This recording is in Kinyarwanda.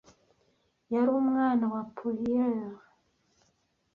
yari umwana wa pourrières